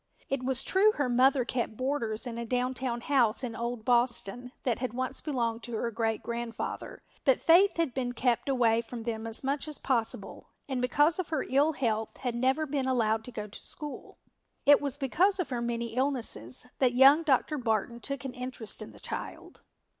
It was true her mother kept boarders in a downtown house in old Boston that had once belonged to her great grandfather, but Faith had been kept away from them as much as possible and because of her ill health had never been allowed to go to school. It was because of her many illnesses that young Dr. Barton took an interest in the child.